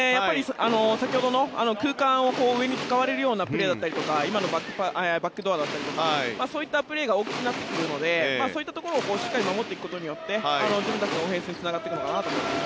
先ほどの空間を上を使われるようなプレーだったりとか今のバックドアだとかそういったプレーが大きくなってくるのでそういったところをしっかり守っていくことによって自分たちのオフェンスにつながっていくと思います。